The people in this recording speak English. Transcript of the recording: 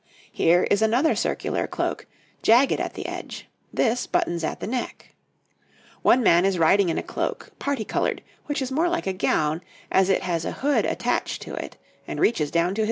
Here is another circular cloak, jagged at the edge; this buttons at the neck. One man is riding in a cloak, parti coloured, which is more like a gown, as it has a hood attached to it, and reaches down to his feet.